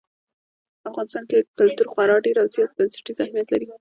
په افغانستان کې کلتور خورا ډېر او ډېر زیات بنسټیز اهمیت لري.